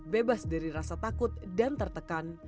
bebas dari rasa takut dan tertekan